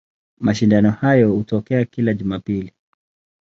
Mashindano hayo hutokea kila Jumapili.